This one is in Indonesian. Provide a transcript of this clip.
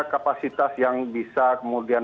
kapasitas yang bisa kemudian